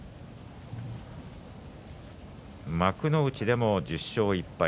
幕内でも１０勝１敗